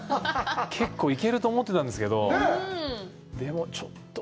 結構いけると思ってたんですけど、でもちょっと。